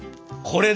これ？